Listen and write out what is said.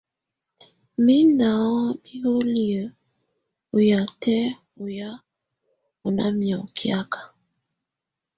Mɛ̀ ndɔ̀ ɔŋ biholiǝ́ ɔ yatɛ̀ ɔyà ɔ́ nà miaŋgɔ kiaka.